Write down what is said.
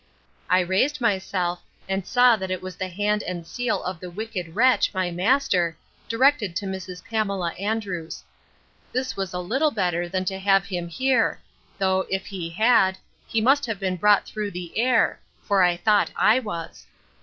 I raised myself, and saw it was the hand and seal of the wicked wretch, my master, directed to Mrs. Pamela Andrews.—This was a little better than to have him here; though, if he had, he must have been brought through the air; for I thought I was.